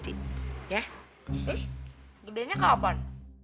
ya terus gedenya kapan